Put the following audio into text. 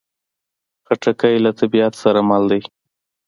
خټکی له طبیعت سره مل دی.